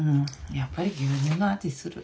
やっぱり牛乳の味する。